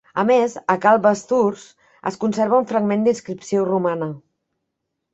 A més, a Cal Basturs es conserva un fragment d'inscripció romana.